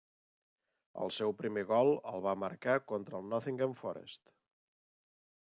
El seu primer gol el va marcar contra el Nottingham Forest.